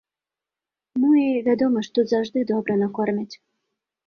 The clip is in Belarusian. Ну і, вядома ж, тут заўжды добра накормяць.